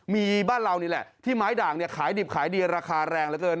มีบ้านเรานี่แหละที่ไม้ด่างเนี่ยขายดิบขายดีราคาแรงเหลือเกิน